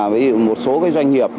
ví dụ một số doanh nghiệp